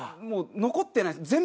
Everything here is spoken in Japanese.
もう残ってないです。